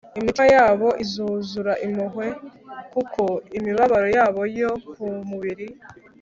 imitima yabo izuzura impuhwe kuko imibabaro yabo yo ku mubiri